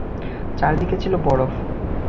চারিদিকে ছিল বরফ।